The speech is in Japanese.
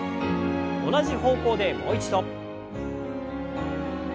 同じ方向でもう一度。